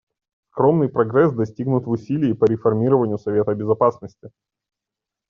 Скромный прогресс достигнут в усилиях по реформированию Совета Безопасности.